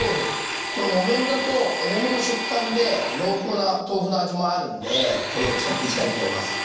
この木綿だと重めの食感で濃厚な豆腐の味もあるんでこれを使っていきたいと思います。